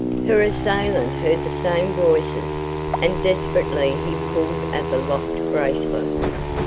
Her assailant heard the same voices, and desperately he pulled at the locked bracelet.